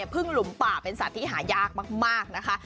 พึ่งหลุมป่าเป็นสัตว์ที่หายากมากนะคะ